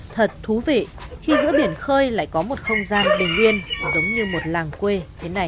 thật thú vị khi giữa biển khơi lại có một không gian bình yên giống như một làng quê thế này